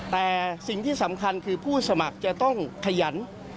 แต่สิ่งที่สำคัญคือผู้สมัครจะต้องขยัน